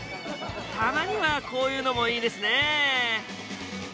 たまにはこういうのもいいですね。